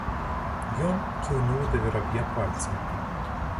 Ён кіўнуў да вераб'я пальцам.